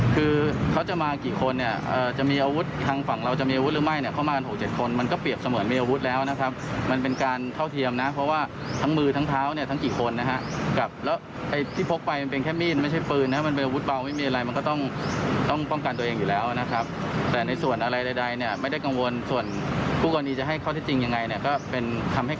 คู่กรณีจะให้เขาทิ้งยังไงเป็นคำให้กามอ้างของเขา